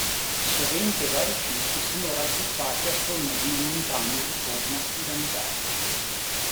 Sovente vari circhi sono raggruppati attorno ad una montagna di forma piramidale.